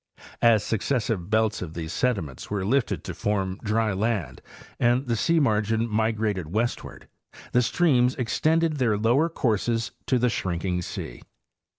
As successive belts of these sediments were lifted to form dry land and the sea margin migrated westward, the streams extended their lower courses to the shrinking sea.